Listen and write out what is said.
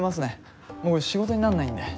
もう仕事になんないんで。